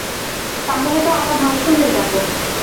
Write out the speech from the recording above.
তাহলে তো আমরা ধ্বংস হয়ে যাব।